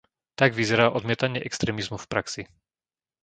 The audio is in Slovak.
Tak vyzerá odmietanie extrémizmu v praxi.